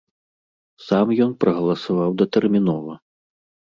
Сам ён прагаласаваў датэрмінова.